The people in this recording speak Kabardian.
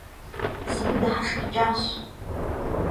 СыпыдыхьэшхыкӀащ.